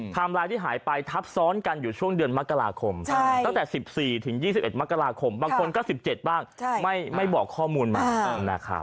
ไทม์ไลน์ที่หายไปทับซ้อนกันอยู่ช่วงเดือนมกราคมตั้งแต่สิบสี่ถึงยี่สิบเอ็ดมกราคมบางคนก็สิบเจ็ดบ้างไม่บอกข้อมูลมานะครับ